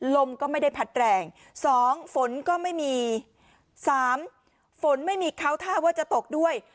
ลมก็ไม่ได้พัดแรงสองฝนก็ไม่มีสามฝนไม่มีเขาท่าว่าจะตกด้วย